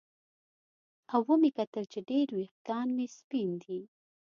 او ومې کتل چې ډېر ویښتان مې سپین دي